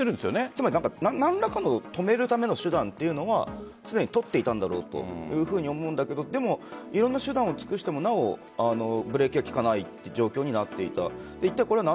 つまり何らかの止めるための手段というのはすでに取っていたんだろうと思うんだけどいろんな手段を尽くしてもブレーキが利かないという状況になっていた。